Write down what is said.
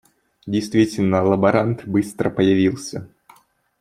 Действительно лаборант быстро появился.